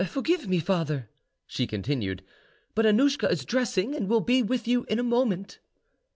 Forgive me, father," she continued; "but Annouschka is dressing, and will be with you in a moment."